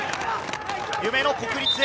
夢の国立へ。